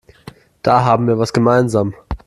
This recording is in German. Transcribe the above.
Da haben wir was gemeinsam.